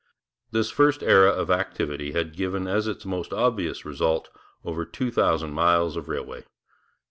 This first era of activity had given as its most obvious result over two thousand miles of railway.